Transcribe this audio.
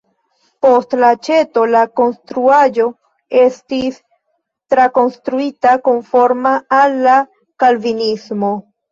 Post la aĉeto la konstruaĵo estis trakonstruita konforma al la kalvinismo.